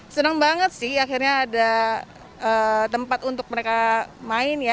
senang banget sih akhirnya ada tempat untuk mereka main ya